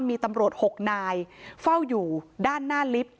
มีตำรวจ๖นายเฝ้าอยู่ด้านหน้าลิฟต์